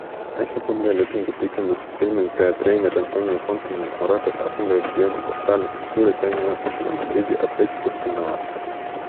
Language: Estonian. Äsja klubiga lepingupikenduse sõlminud peatreener Antonio Conte näeb Moratas asendajat Diego Costale, kes suure tõenäosusega Madridi Atleticosse naaseb.